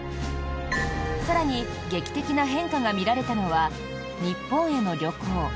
更に劇的な変化が見られたのは日本への旅行。